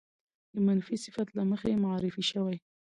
د منفي صفت له مخې معرفې شوې